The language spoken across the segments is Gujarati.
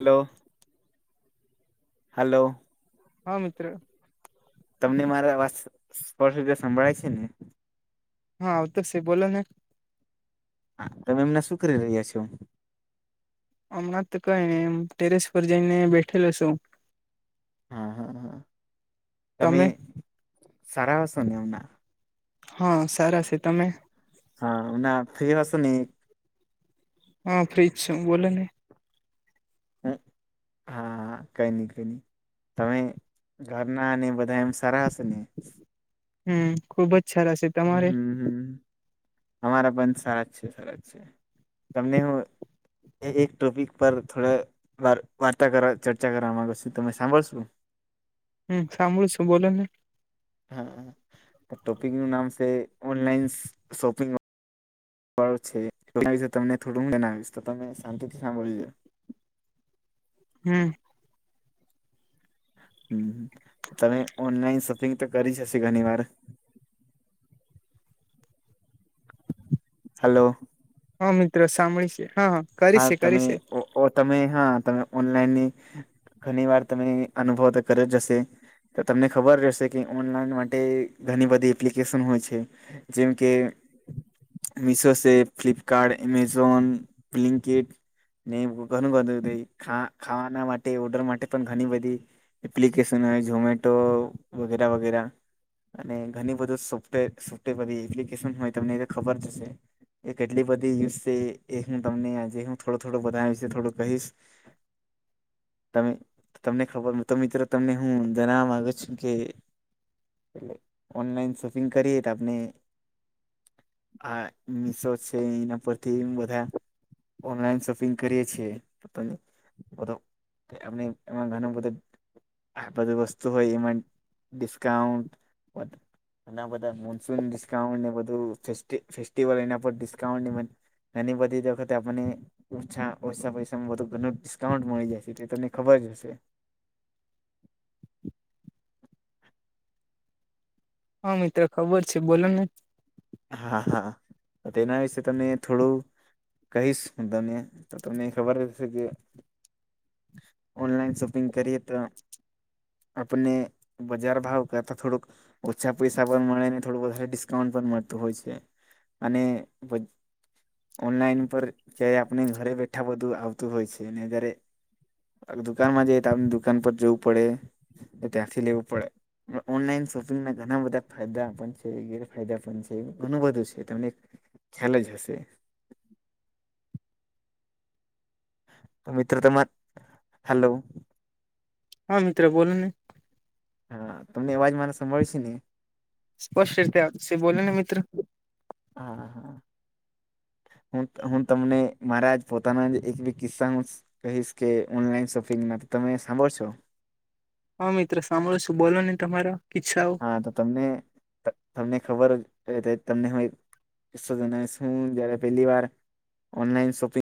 Hello hello. હા મિત્ર. તમને મારો અવાજ સ્પષ્ટ સ્પર્શ સંભળાય છે ને? હા આવ તો છ બોલો ને. તમે એમના શું કરી રહ્યા છો? હમણાં તો કઈ ને ટેરેસ પર જઈને બેઠેલો છું. હા હા હા તમેમે તમે સારા હસો ને એમના? હા સારા છે તમે? હા ના ના ફ્રી હસો ને? હા ફ્રીજ છ બોલો ને. હમ હા. હા હા કઈ નહી કઈ નહી તમે ઘરના અને બધા એમ સારા હશે ને? હમ ખુબ જ સારા છે. તમારે હમમ અમારા બંધ સારા છે સર છે તમને હું એ એક ટોપિક પર થોડા વા વાર્તા ચર્ચા કરવા માગ છું તમે સાંભળશો. હમ સાંભળું છું બોલો ને. હા ટોપિક નું નામ છે ઓનલાઈન શોપિંગ. છે તમને થોડું હું બનાવીશ તમે શાંતિથી સાંભળીજો. હમ્મ હ તમે ઓનલાઈન શોપિંગ તો કરી જ હશે ઘણી વાર? હલો. હ મિત્ર સાંભળીએ છીએ હા હ. હા તમે તમે હા તમે ઓનલાઈનની ઘણી વાર તમે અનુભવ તો કર્યો હશે? તો તમને ખબર રહેશે કે ઓનલાઈન માટે ઘણી બધી એપ્લિકેશન હોય છે. જેમ કે મીશો છે ફ્લિપકાર્ટ અમેઝોન. બ્લિન્કેટ. નહી ઘણું બુંા ખાવાના માટે ઓર્ડર માટે પણ ઘણી બધી એપ્લકેેશન હોય ઝોમેટો વગેરે વગેરે અને ઘણી બધી સોફ્ટવેર સોફ્ટવેર બધી એપ્લિકેશન હોય તમને એ ખબર જશે. એ કેટલી બધી યુઝ છે એક હું તમને આજે હું થોડો થોડું બધા વિશે છે થોડું કહીશ. તમે તમને ખબર તો મિત્રો તમને હું જણવા માગુ છું કે. એટલે શોપિંગ કરીએ આપણે હા મિશો છે એના પરથી હું બધા ઓનલાઈન શોપિંગ કરીએ છીએ તો તમે બધ આપણે એમા ઘણા બધા આ બધુ વસ્તુ હોય એમાં ડિસ્કાઉન્ટ અને બધા મોનસૂન ડિસ્કાઉન્ટ ને બધું ફેસ્ટિ ફેસ્ટિવલ એના પર ડિસ્કાઉન્ટ એની બધી જો વખતે આપણને ઓછા ઓસા પૈસામાં વધુ ઘણું ડિસ્કાઉન્ટ મળી જાય છે. તે તમને ખબર જ હશે. હા મિત્ર ખબર છે. બોલો ને. હા હા તો તેના વિશે તમે થોડું કહીશ હુ તમે તો તમને ખબર હશે કે ઓનલાઇન શોપિંગ કરીએ તો આપણે બજાર ભાવ કરતો થોડુંક ઓછા પૈસા પણ મળે ને થોડુ વધારે ડિસ્કાઉન્ટ પણ મળતું હોય છે. અને [unintelligible] ઓનલાઈન પર જ્યારે આપણે ઘરે બેઠા બધું આવતું હોય છે અને ઘરે દુકાનમાં જઈ તો આપને દુકાન પર જવું પડે ને ત્યાંથી લેવું પડે ઓનલાઈન શોપિંગમાં ઘણા બધા ફાયદા પણ છે ગેરફાયદા પણ છે ઘણું બધું છે તમને ખ્યાલ જ હશે. તો મિત્રો તમાં. હેલો હા મિત્ર બોલ ને હા તમને અવાજ માને સંભળાય શે ને? સ્પષ્ટ રીતે આવે છે. બોલે ને મિત્ર હા હા હ હું તમને મારા જ પોતાના જ એક બે કિસ્સાઓ શા કહીશ કે ઓનલાઈન શોપિંગમાં તો તમે સાંભળશો? હા મિત્ર સાંભળશુ. બોલો ને તમારા કિચ્છાઓ હા તો તમને તમને ખબર જ તમને હ કિસ્સો જણાવીશ હું જયારે પહેલીવાર ઓનલાઈન શોપિંગ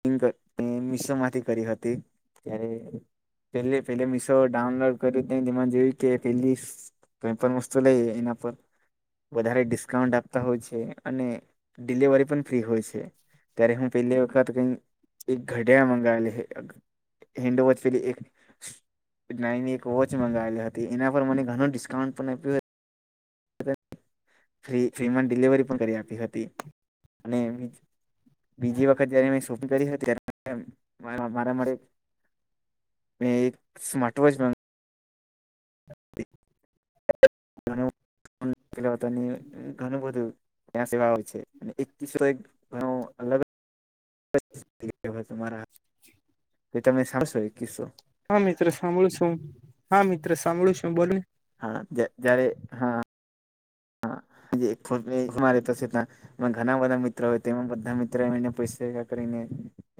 પિંગ મેં મિશોમાંથી કરી હતી ત્યારે પેલે પેલે મીશો ડાઉનલોડ કર્યું તય તે જોયું કે પેલી સ્સસ કંઈ પણ વસ્તુ લઈએ એના પર વધારે ડિસ્કાઉન્ટ આપતા હોય છે અને ડિલિવરી પણ ફ્રી હોય છે. ત્યારે હું પેલી વખ રાત્રે એક ઘડીયાળ મંગાવેલી અઅઅ હેન્ડવૉચ એક નાની એક વોચ મંગાવેલી હતી એના પર મને ઘણું ડિસ્કાઉન્ટ પણ આપ્યું ફ્રી ફ્રીમાં ડિલિવરી પણ કરી આપી હતી અને એ બીજી વખત જયારે મેં શોપિંગ કરી હતી ત્યારે મારા માટે મે એક સ્માટવૉચ [unintelligible] ઘણું બધું ત્યાં સેવા હોય છે અને એક કિસ્સો એક ઘણો અલગ તમારા તમે સાંભશો એ કિસ્સો હા મિત્ર સાંભળું સુ હા મિત્ર સાંભળું છું બોલને હા. જ્યાં જયારે હા હા [unintelligible] ઘના બધા મિત્રો હોય તેમાં બધા મિત્રો એને પૈસા ભેગા કરીને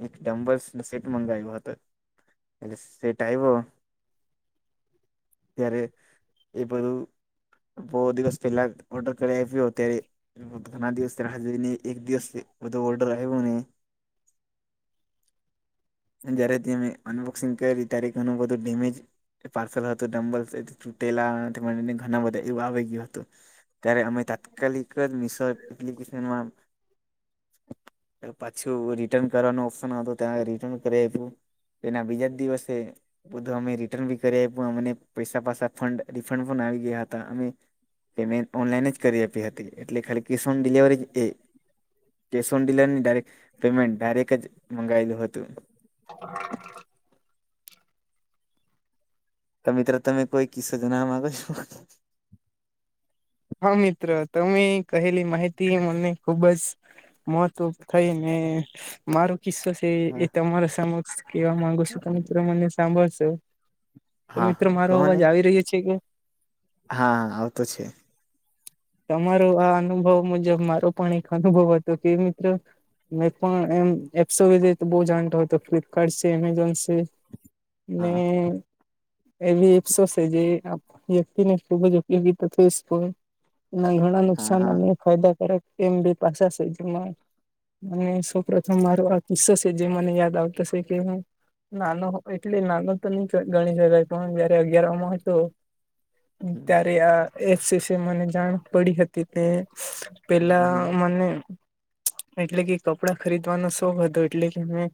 એક ડમ્બલ્સનો સેટ મંગાવ્યો હતો એટલે સેટ આવ્યો ત્યારે એ બધું બો દિવસ પહેલા ઓર્ડર કરી આવ્યો અત્યારે ઘણા દિવસ રાહ જોઈને એક દિવસ બધો ઓર્ડર આવ્યો ને જયારે અમે અનબોક્સિંગ કયરી ત્યારે ઘણું બધું ડેમેજ પાર્સલ હતું ડંમ્બલસેટ્સ તૂટેલા ઘણા બધા એવું આવી ગયું હતું ત્યારે અમે તાત્કાલિક જ મિશો એપ્લિકેશનમાં પાછું રિટર્ન કરવાનો ઓપ્શન હતો ત્યાં રિટર્ન કરે હતું. એના બીજા જ દિવસે બધું અમે રિટર્ન બી કરી અમને પૈસા પાસા રિફંડ પણ આવી ગયા હતા અમે પેમેન્ટ ઓનલાઈન જ કરી આપી હતી એટલે ખાલી કેશ ઓન ડિલવરી એ કે ઓનડીલેવરી ની ડક પેમેન્ટ ડાયરેક જ મંગાવેલું હતું. [inaudible] તો મિત્રો તમે કોઈ કિસ્સો જણાવા માંગો છો. હા મિત્ર તમે કહેલી માહિતી મને ખુબ જ મહત્વ થઈ ને મારો કિસ્સો તે હા એ તમારા સમક્ષ કેવા માગુ છું તો મિત્રો તમે મને સાંભળશો. તો હા મિત્રો હા મારો કહો અવાજ ને આવી રહ્યો છે કે હા આવતો છે. તમારો આ અનુભવ મુજબ મારો પણ એક અનુભવ હતો કે મિત્રો મેં પણ એમ એપ્સો વિધ તો બહું જાણતો હતો ફ્લિપકાર્ટ છે એમેઝોન છે. હા ને એવી એપ્સો છે જે આ વ્યક્તિને ખૂબ જ ઉપયોગી થતી તો ઘણા હા નુકસાન હા અને ફાયદાકારક એમ બી પાછા છે જમાં અને સૌ પ્રથમ મારો આ કોસો છે જે યાદ આવતો છે કે હું નાનો એટલે નાનો તો નહી ગણી શકાય પણ જયારે અગિયાર માં હતો હમ ત્યારે આ એ વિષ મને જાણ પડી હતી તે પેલા હમ મને એટલે કે કપડા ખરીદવાનો શોખ હતો એટલે કે અમે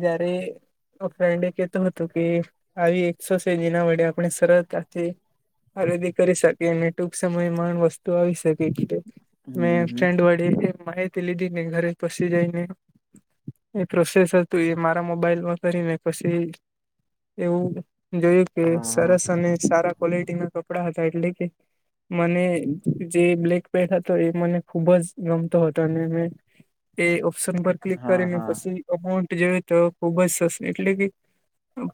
જ્યારે ફ્રેન્ડ એ કતો હતો કે આવી એકસો સેદી ના વડે આપણે ડેલ્ટા આયુર્વેદિક કરી શકીએ એમ ને ટૂંક સમયમાં વસ્તુ આવી શકે એટલે મેં હમ હમ એક્સ્ટેન્ડ વર્ડ તે માહિતી લીધી [unintelligible] જાય ને એ પ્રોસેસ હતું એ મારા મોબાઈલમાં કરીને પછી એવું જોયું કે હા સરસ અને સારા ક્વોલિટી ના કપડા હતા એટલે કે મને જે બ્લેક પેટ હતો એ મને ખુબ જ ગમતો હતો અને મેં એ ઓપ્શન પર ક્લિક હા કરીને હા પછી અમાઉન્ટ જો તો ખુબ જ સરસ એટલે કે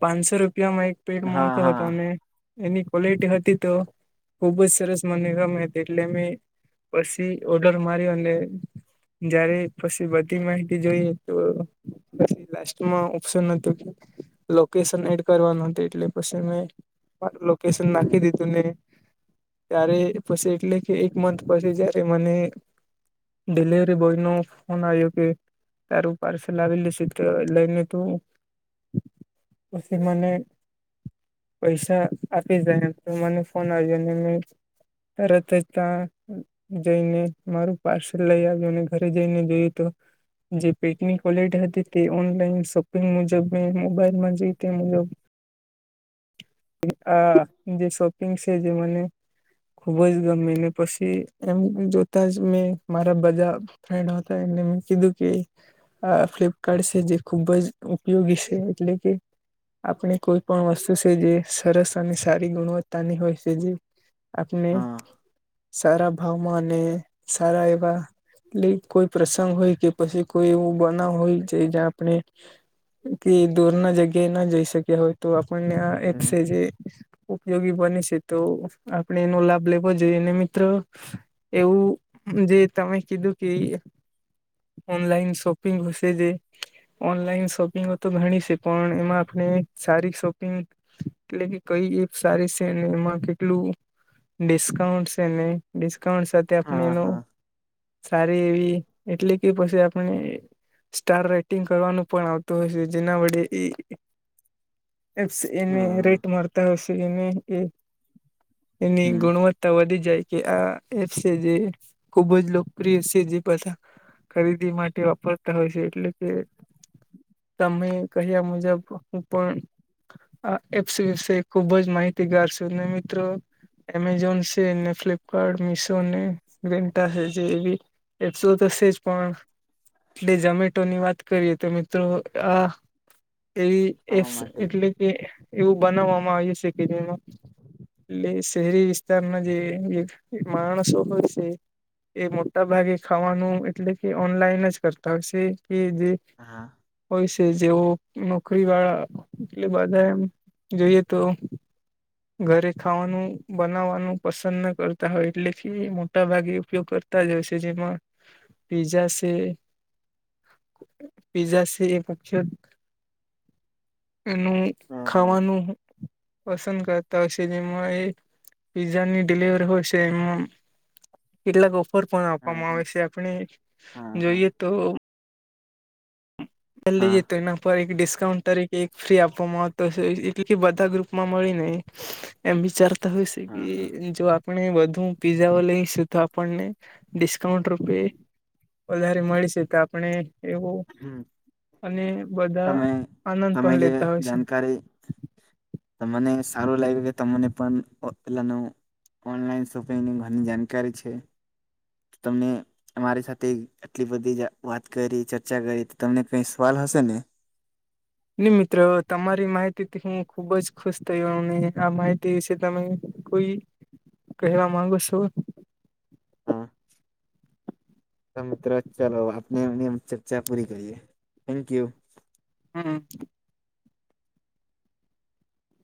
પાંચસો રૂપિયામાં એક પેટમાં હા આવતો હતો હા અને એની ક્વોલિટી હતી તો ખુબ જ સરસ મને ગમે હતી એટલે મે પછી ઓડર માર્યો અને જયારે પછી બધી માહિતી જોઈએ તો પછી લાસ્ટમાં ઓપ્શન હતું કે લોકેશન એડ કરવાનું હતું એટલે પછી મે હા લોકેશન હમ નાખી દીધું ને ત્યારે પછી એટલે કે એક મંથ પછી જયારે મને ડિલિવરી બોય નો ફોન આવ્યો કે તારું પાર્સલ આવેલુ છે કે તો લઈને તું પછી મને પૈસા આપી જાય તો મને ફોન આવજે મેં તરત જ ત્યાં જઈને મારું પાર્સલ લઈ આવ્યું અને ઘરે જઈને જોયું તો જે પેકની કોલિટી હતી તે ઓનલાઈન શોપિંગ મુજબ મે મોબાઈલમાં જઈ તે મુજબ હ [inaudible] આ જે શોપિંગ છે જે મને ખુબ જ ગમેીને પછી એમ જોતા જ મેં મારા બધા ફ્રેન્ડ હતા એને મેં કીધું કે આ ફ્લિપકાર્ટ છે જે ખૂબ જ ઉપયોગી છે એટલે કે આપણે કોઈ પણ વસ્તુ સેજે છે જે સરસ અને સારી ગુણવત્તાની હોય છે જી આપણે હા સારા ભાવમાં અને સારા એવા. એટલે કોઈ પ્રસંગ હોય કે પછી કોઈ એવું બનાવ હોય કે જ આપણે એ દૂર ના જગ્યા એ ન જઈ શક્યા હોય. તો આપણ ને આ હમ એપ્સે જે ઉપયોગી બને છે તો. આપણે એનો લાભ લેવો જોઈએ ને મિત્રો. એવું જે તમે કીધું કે ઈ. ઓનલાઈન શોપિંગ વિષય જે. ઓનલાઈન શોપિંગ તો ઘણી છે પણ એમાં આપણે સારી શોપિંગ. એટલે કે કઈ એપ સારી છે એમાં કેટલું? ડિસ્કાઉન્ટ છે ને ડિસ્કાઉન્ટ સાથે આપણે હા એનું. હા સારી એવી એટલે કે પછી આપણે સ્ટાર રેટિંગ કરવાનું પણ આવતું હોય છે જેના વડે એ. એ્પસ એને હા રેટ મળતા હશે એને એ એની હમ ગુણવત્તા. તો વધી જાય કે આ એપ છે જે ખુબ જ લોકપ્રિય સીધી બધા છે જે. ખરીદી માટે વાપરતા હોય છે એટલે કે. તમે કહ્યા મુજબ હું પણ. આ એપસીસ ખુબ જ માહિતીગાર છ ને મિત્રો. એમેઝોન, છે ને ફ્લિપકાર્ટ, મિશો ને મિંત્રા છે જે એવી એપસો તો છે જ પણ. સિવ઼ગી ઝોમેટો ની વાત કરીએ તો મિત્રો આ એવી આવા એ્પસ માટે એટલે કે એવું બનાવવામાં આવી છે કે જેમાં એ શહેરી વિસ્તારના જે મારો છોકરો છે એ મોટા ભાગે ખાવાનું એટલે કે ઓનલાઈન જ કરતા હશે કે જે હા હોય છે જેવો નોકરી વાળા એ બધા એમ જોઈએ તો. ઘરે ખાવાનું બનાવવાનું પસંદ ના કરતા હોય એટલે કે મોટા ભાગે ઉપયોગ કરતા. ઈટાલિયો છે જેમાં પિઝઝા છે. પિઝા છે એ પછ એનું હમ હમ ખાવાનું પસંદ કર. શે જેમાં એ પિઝ્ઝાની ડલિવરી હોય છે એમા. કેટલાક ઓફર પણ હા આપવામાં હા આવે છે હા જોઈએ તો. હા એલ્લી હા જતોય ન તો એક ડિસકોઉંટ તરીકે એક ફ્રી આપવામાં આવતો એટલી બધા ગ્રુપ માં મળી ને એમ વિચારતા હોય છે કે હા હા જો આપ પણે એ બધું પિઝાઓ લઈશું તો આપણને ડિસ્કાઉન્ટ રૂપે વધારે મળીશે તો આપણે એવું હમમ અને બધા તમે આનંદ તમે પણ જે લેતા હોય છે જાણકારી તો મને સારું લાગ્યું કે તમને પણ પેહલાનું ઓનલાઈન શોપિંગની ઘણી જાનકારી છે. તમે અમારી સાથે આટલી બધી જે વાત કરી છે ચર્ચા કરીએ તો તમને કઈ સવાલ હશે ને? ને મિત્રો તમારી માહિતીથી હું ખુબ જ ખુશ થયો ને આ માહિતી વિષે તમે કોઈ કહેવા માંગો છો? હા. તો મિત્રો ચાલો આપને આ ચર્ચા પૂરી કરીએ થેન્ક યુ. હમ્મ.